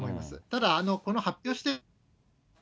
ただ、この発表して。